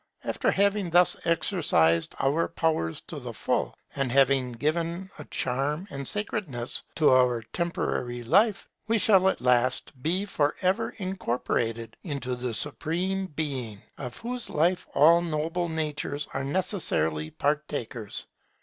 After having thus exercised our powers to the full, and having given a charm and sacredness to our temporary life, we shall at last be for ever incorporated into the Supreme Being, of whose life all noble natures are necessarily partakers.